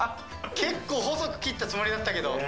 結構、細く切ったつもりだったけど。